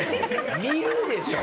見るでしょ